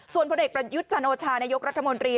ส่วนพลเอกประยุทธ์จันโอชานายกรัฐมนตรี